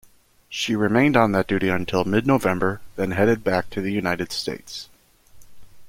She remained on that duty until mid-November; then headed back to the United States.